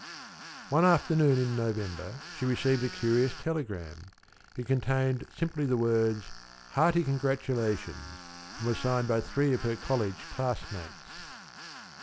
One afternoon in November she received a curious telegram. It contained simply the words "Hearty Congratulations," and was signed by three of her college classmates.